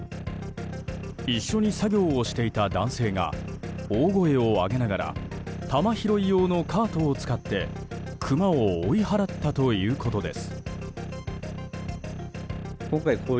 一緒に作業をしていた男性が大声をあげながら球拾い用のカートを使ってクマを追い払ったということです。